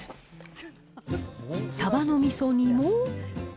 サバのみそ煮も。